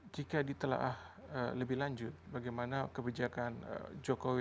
jika ditelah lebih lanjut bagaimana kebijakan jokowi